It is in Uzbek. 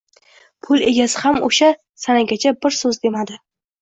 Pul egasi ham o‘sha sanagacha bir so‘z demadi.